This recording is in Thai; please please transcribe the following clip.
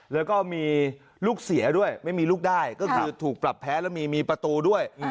แล้วก็มีลูกเสียด้วยไม่มีลูกได้ก็คือถูกปรับแพ้แล้วมีประตูด้วย